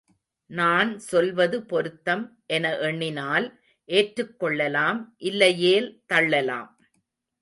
நான் சொல்வது பொருத்தம் என எண்ணினால் ஏற்றுக் கொள்ளலாம் இல்லையேல் தள்ளலாம்.